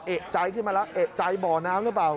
เอกใจขึ้นมาแล้วเอกใจบ่อน้ำหรือเปล่า